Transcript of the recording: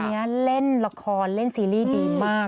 อันนี้เล่นละครเล่นซีรีส์ดีมาก